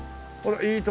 いい所！